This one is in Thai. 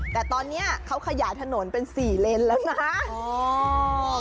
แต่ตอนนี้เขาขยายถนนเป็น๔เลนแล้วนะ